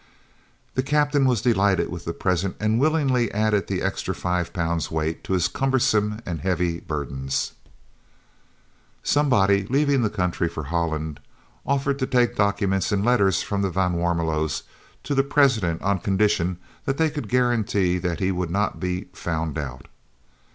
The Captain was delighted with the present and willingly added the extra five pounds weight to his cumbrous and heavy burdens. Somebody, leaving the country for Holland, offered to take documents and letters from the van Warmelos to the President on condition that they could guarantee that he would not be "found out."